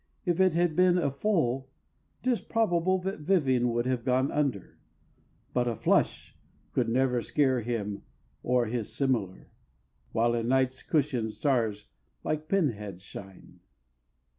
If it had been A full, 'tis probable that Vivian Would have gone under; but a flush Could never scare him or his similar, While in Night's cushion stars like pin heads shine.